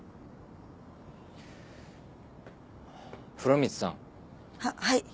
風呂光さん。ははい。